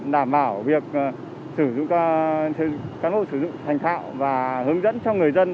đảm bảo việc cán bộ sử dụng thành thạo và hướng dẫn cho người dân